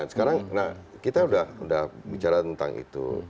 sekarang kita sudah bicara tentang itu